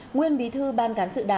nguyên bí thư ban cán sự đảng